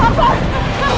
pergi cepat cepat